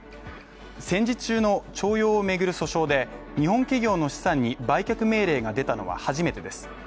戦時中の徴用をめぐる訴訟で日本企業の資産に売却命令が出たのは初めてです。